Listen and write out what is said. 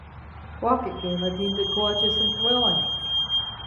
Pocket Gamer deemed it "gorgeous" and "thrilling".